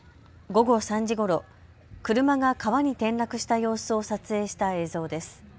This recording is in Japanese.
午後３時ごろ、車が川に転落した様子を撮影した映像です。